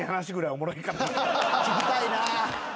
・聞きたいな。